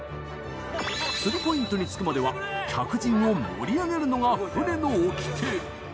釣るポイントに着くまでは客人を盛り上げるのが船の掟。